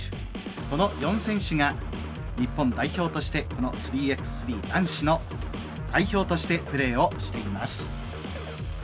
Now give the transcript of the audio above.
この４選手が日本代表としてこの３ｘ３男子の代表としてプレーをしています。